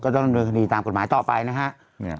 ต้องโดนคณีตามกฎหมายต่อไปนะครับ